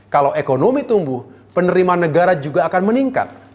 kalau ekonomi tumbuh penerimaan negara juga akan meningkat